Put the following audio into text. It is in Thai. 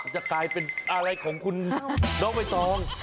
จะกลายเป็นอะไรของคุณน้องใบตอง